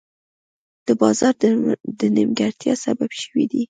د بازار د نیمګړتیا سبب شوي دي.